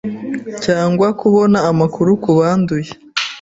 cyangwa kubona amakuru ku banduye